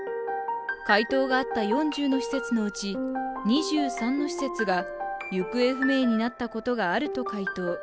回答があった４０の施設のうち２３の施設が行方不明になったことがあると回答。